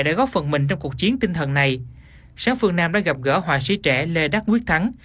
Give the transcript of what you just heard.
gặp gần mình trong cuộc chiến tinh thần này sáng phương nam đã gặp gỡ họa sĩ trẻ lê đắc quyết thắng